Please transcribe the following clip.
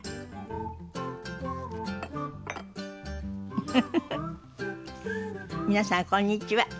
フフフフ皆さんこんにちは。